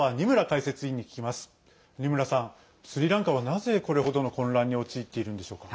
二村さん、スリランカはなぜ、これほどの混乱に陥っているんでしょうか？